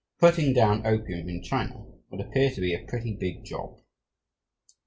Putting down opium in China would appear to be a pretty big job.